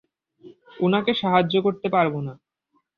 উনাকে সাহায্য করতে পারব না।